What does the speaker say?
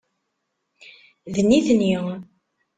D nitni.